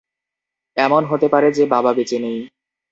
এমন হতে পারে যে বাবা বেঁচে নেই।